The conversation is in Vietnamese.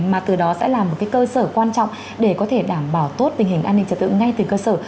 mà từ đó sẽ là một cơ sở quan trọng để có thể đảm bảo tốt tình hình an ninh trật tự ngay từ cơ sở